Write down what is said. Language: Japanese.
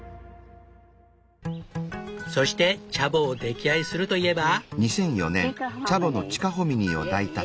そしてチャボを溺愛するといえば。